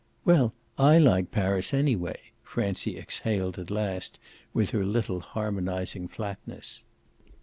"Well, I like Paris anyway!" Francie exhaled at last with her little harmonising flatness.